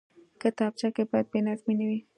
کتابچه کې باید بېنظمي نه وي